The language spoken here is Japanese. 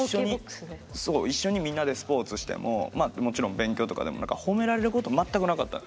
一緒にみんなでスポーツしてもまあもちろん勉強とかでも褒められること全くなかった。